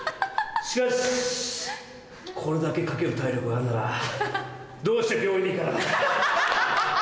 しかしこれだけ書ける体力があるならどうして病院に行かない。